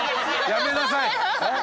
やめなさい。